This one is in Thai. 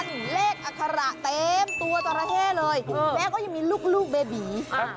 นั่นที่เลขอธาระเต็มตัวจอระเคเลยแม้ก็ยังมีลูกเบบี